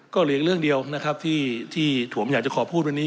ก็เหลืออีกเรื่องเดียวนะครับที่ผมอยากจะขอพูดวันนี้